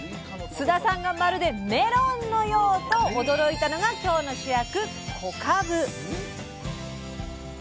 須田さんが「まるでメロンのよう！」と驚いたのが今日の主役